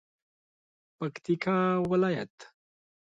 پکتیکا ولایت